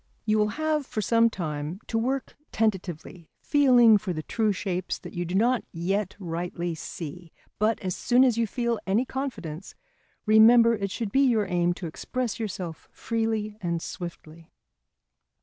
You will have for some time to work tentatively, feeling for the true shapes that you do not yet rightly see, but as soon as you feel any confidence, remember it should be your aim to express yourself freely and swiftly.